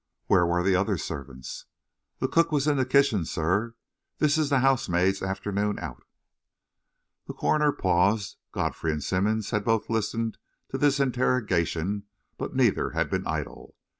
"Where were the other servants?" "The cook was in the kitchen, sir. This is the housemaid's afternoon out." The coroner paused. Godfrey and Simmonds had both listened to this interrogation, but neither had been idle.